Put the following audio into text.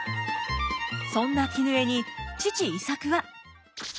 そんな絹枝に父猪作は。